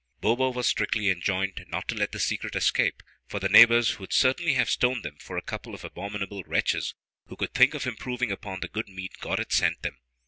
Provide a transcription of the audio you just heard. Bo bo was strictly enjoined not to let the secret escape, for the neighbors would certainly have stoned them for a couple of abominable wretches, who could think of improving upon the good meat God had sent them.